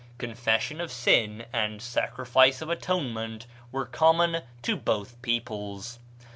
Confession of sin and sacrifice of atonement were common to both peoples.